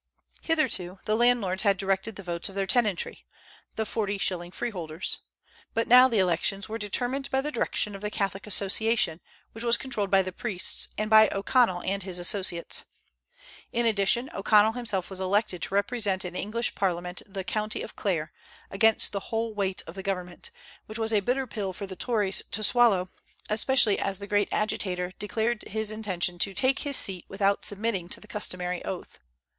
Hitherto the landlords had directed the votes of their tenantry, the forty shilling freeholders; but now the elections were determined by the direction of the Catholic Association, which was controlled by the priests, and by O'Connell and his associates. In addition, O'Connell himself was elected to represent in the English Parliament the County of Clare, against the whole weight of the government, which was a bitter pill for the Tories to swallow, especially as the great agitator declared his intention to take his seat without submitting to the customary oath.